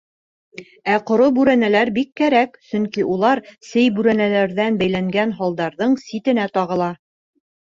Ә ҡоро бүрәнәләр бик кәрәк, сөнки улар сей бүрәнәләрҙән бәйләнгән һалдарҙың ситенә тағыла.